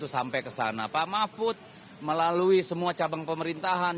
sana pak mahfud melalui semua cabang pemerintahan